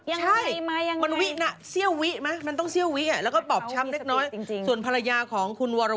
ยังไงมายังไงมันต้องเชี่ยววิและก็ปอบช้ำเล็กส่วนภาระยาของคุณวารวุฒิเนี่ย